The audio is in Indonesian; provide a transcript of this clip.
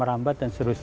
merambat dan seterusnya